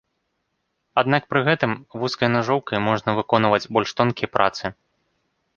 Аднак пры гэтым, вузкай нажоўкай можна выконваць больш тонкія працы.